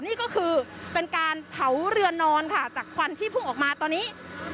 นี่ก็คือเป็นการเผาเรือนนอนค่ะจากควันที่พุ่งออกมาตอนนี้